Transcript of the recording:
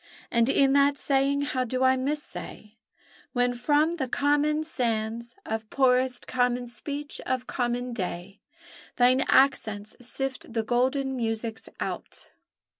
And in that saying how do I missay, When from the common sands Of poorest common speech of common day Thine accents sift the golden musics out!